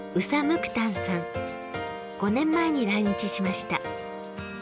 ５年前に来日しました。